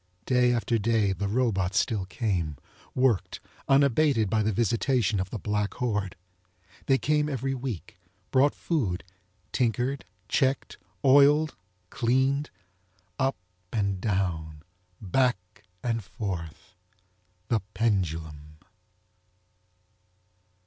Day after day the robots still came, worked, unabated by the visitation of the black horde. They came every week, brot food, tinkered, checked, oiled, cleaned. Up and down, back and forth—THE PENDULUM!